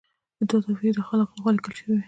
دوه صفحې یې د خالق لخوا لیکل شوي وي.